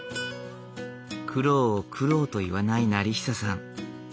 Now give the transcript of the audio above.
苦労を苦労と言わない業久さん。